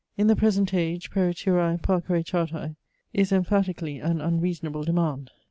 In the present age periturae parcere chartae is emphatically an unreasonable demand.